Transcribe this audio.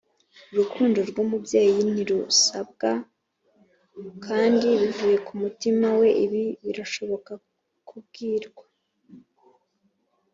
urukundo rw'umubyeyi ntirusabwa, kandi bivuye kumutima we ibi birashobora kubwirwa.